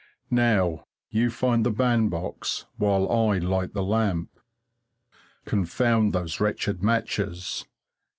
Now, you find the bandbox while I light the lamp. Confound those wretched matches!